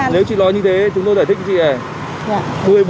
nếu chị nói như thế chúng tôi giải thích cho chị này